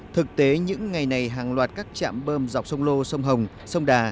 thực tế những ngày này hàng loạt các trạm bơm dọc sông lô sông hồng sông đà